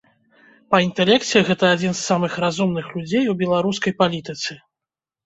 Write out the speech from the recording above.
Па інтэлекце гэта адзін з самых разумных людзей у беларускай палітыцы.